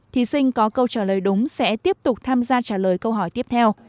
thí sinh có câu trả lời đúng sẽ tiếp tục tham gia trả lời câu hỏi tiếp theo